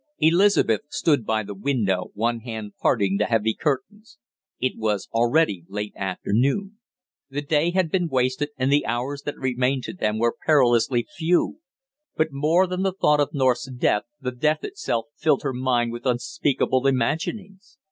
Elizabeth stood by the window, one hand parting the heavy curtains. It was already late afternoon. The day had been wasted, and the hours that remained to them were perilously few. But more than the thought of North's death, the death itself filled her mind with unspeakable imaginings.